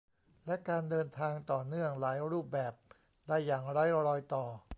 และการเดินทางต่อเนื่องหลายรูปแบบได้อย่างไร้รอยต่อ